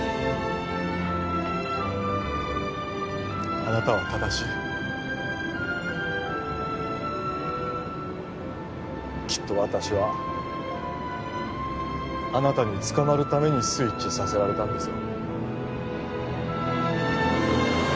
あなたは正しいきっと私はあなたに捕まるためにスイッチさせられたんですよ